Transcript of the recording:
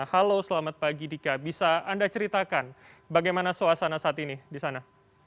halo selamat pagi dika bisa anda ceritakan bagaimana suasana saat ini di sana